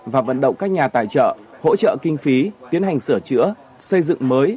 và vận động các nhà tài trợ hỗ trợ kinh phí tiến hành sửa chữa xây dựng mới